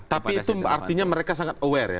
tapi itu artinya mereka sangat aware ya